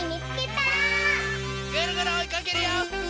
ぐるぐるおいかけるよ！